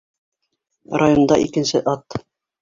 Районда икенсе ат!